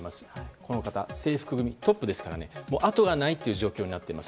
この方、制服組トップですからあとがないという状況になっています。